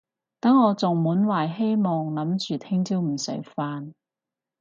等我仲滿懷希望諗住聽朝唔使返